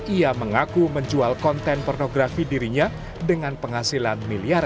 ia mengaku menjual konten pornografi dirinya dengan penghasilan miliar